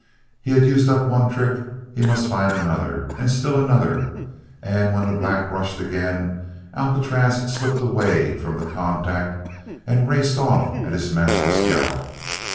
He had used up one trick, he must find another, and still another; and when the black rushed again, Alcatraz slipped away from the contact and raced off at his matchless gallop.